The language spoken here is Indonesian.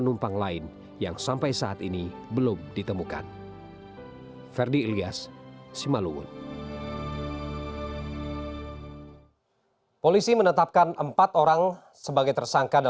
memang angin memang kencang dari sana bang